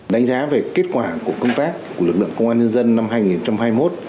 đánh giá về kết quả của công tác của lực lượng công an nhân dân năm hai nghìn hai mươi một